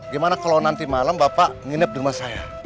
gimana kalau nanti malam bapak nginep di rumah saya